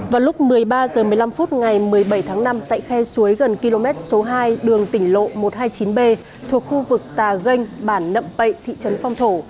vào lúc một mươi ba h một mươi năm phút ngày một mươi bảy tháng năm tại khe suối gần km số hai đường tỉnh lộ một trăm hai mươi chín b thuộc khu vực tà ganh bản nậm pậy thị trấn phong thổ